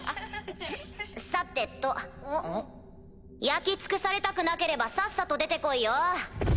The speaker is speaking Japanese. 焼き尽くされたくなければさっさと出て来いよ？